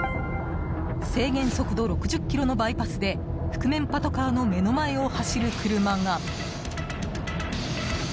制限速度６０キロのバイパスで覆面パトカーの目の前を走る車が。